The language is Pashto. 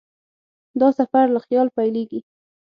دا سفر له خیال پیلېږي.